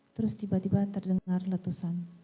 terus tiba tiba terdengar letusan